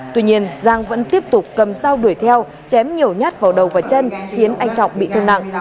tuy nhiên giang vẫn tiếp tục cầm dao đuổi theo chém nhiều nhát vào đầu và chân khiến anh trọng bị thương nặng